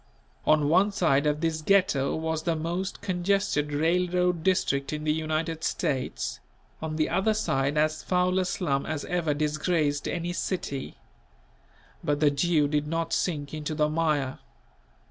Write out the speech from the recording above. On one side of this Ghetto was the most congested railroad district in the United States; on the other side as foul a slum as ever disgraced any city; but the Jew did not sink into the mire.